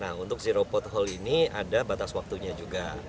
nah untuk zero pothole ini ada batas waktunya juga